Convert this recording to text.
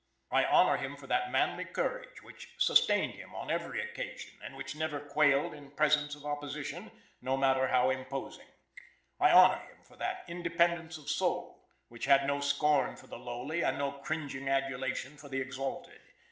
"I honor him for that manly courage which sustained him on every occasion, and which never quailed in presence of opposition, no matter how imposing. I honor him for that independence of soul which had no scorn for the lowly, and no cringing adulation for the exalted.